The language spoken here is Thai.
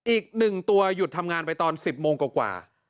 อีก๑ตัวหยุดทำงานไปตอน๑๐โมงกว่า